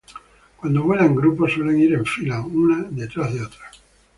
Cuando vuelan en grupo, suelen ir en fila, una detrás de otra.